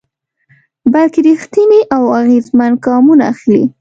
بلکې رېښتيني او اغېزمن ګامونه اخلي.